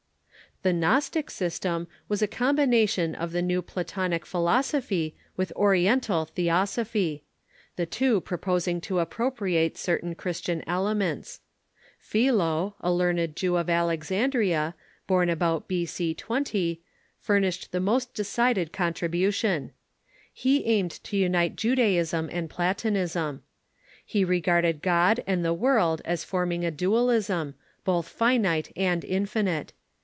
The Gnostic system was a combination of the new Platonic philosophy with Oriental theosophy, the two proposing to ap propriate certain Christian elements. Philo, a learned Gnosticism j^,^^. ^^ Alexandria, born about B.C. 20, furnished the in General '.'. most decided contribution. lie aimed to unite Ju daism and Platonism. He regarded God and the world as forming a dualism, both finite and infinite.